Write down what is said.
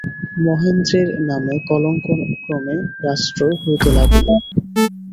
মহেন্দ্রের নামে কলঙ্ক ক্রমে রাষ্ট্র হইতে লাগিল।